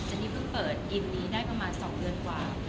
นี่เพิ่งเปิดอินนี้ได้ประมาณ๒เดือนกว่า